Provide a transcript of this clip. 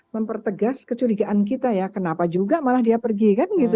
mempertegas kecurigaan kita ya kenapa juga malah dia pergi kan gitu